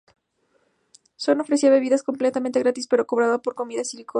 Song ofrecía bebidas completamente gratis, pero cobraba por comidas y licor.